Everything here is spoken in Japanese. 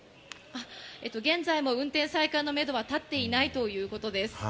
現在も運転再開のめどは立っていないということです。